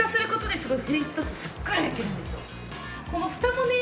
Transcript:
すごい！